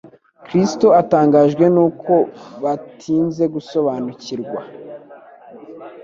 Kristo atangajwe n'uko batinze gusobanukirwa,